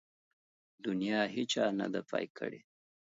د نيا هيچا نده پاى کړې.